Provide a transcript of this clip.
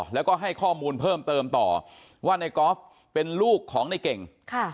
แล้วก็ให้ข้อมูลเพิ่มเติมต่อว่าในกอล์ฟเป็นลูกของในเก่งค่ะ